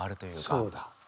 そうだ。